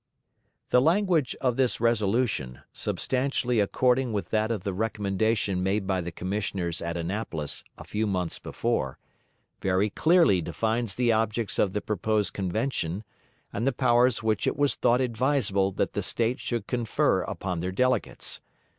The language of this resolution, substantially according with that of the recommendation made by the commissioners at Annapolis a few months before, very clearly defines the objects of the proposed Convention and the powers which it was thought advisable that the States should confer upon their delegates.